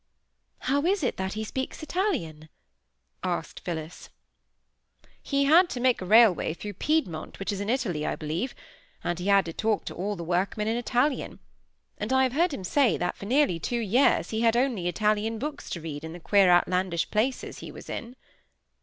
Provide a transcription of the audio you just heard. "How is it that he speaks Italian?" asked Phillis. "He had to make a railway through Piedmont, which is in Italy, I believe; and he had to talk to all the workmen in Italian; and I have heard him say that for nearly two years he had only Italian books to read in the queer outlandish places he was in."